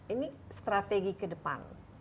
ini strategi ke depan